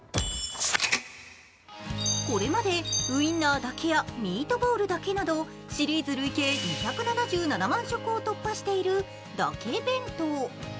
これまでウインナーだけやミートボールだけなどシリーズ累計２７７万食を突破している、だけ弁当。